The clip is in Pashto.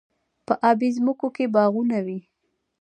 په ابی ځمکو کې باغونه وي.